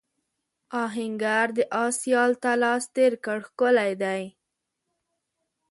آهنګر د آس یال ته لاس تېر کړ ښکلی دی.